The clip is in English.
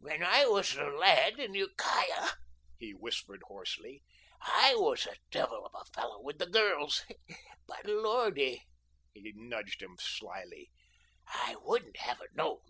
"When I was a lad in Ukiah," he whispered hoarsely, "I was a devil of a fellow with the girls; but Lordy!" he nudged him slyly, "I wouldn't have it known!"